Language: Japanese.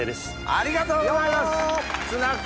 ありがとうございます。